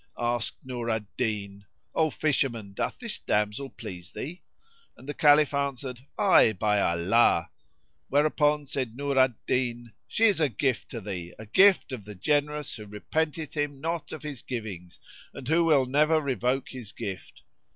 "[FN#59] Asked Nur al Din, "O fisherman, doth this damsel please thee?" and the Caliph answered, "Ay, by Allah!" Whereupon said Nur al Din, "She is a gift to thee, a gift of the generous who repenteth him not of his givings and who will never revoke his gift!"